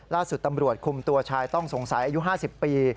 ล่าสุดตำรวจคุมตัวชายต้องสงสัยอายุ๕๐ปี